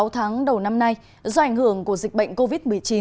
sáu tháng đầu năm nay do ảnh hưởng của dịch bệnh covid một mươi chín